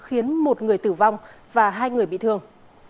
khiến một người tử vong và hai người bị thương